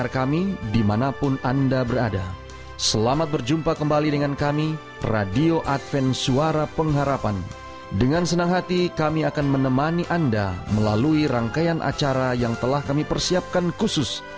kami akan menemani anda melalui rangkaian acara yang telah kami persiapkan khusus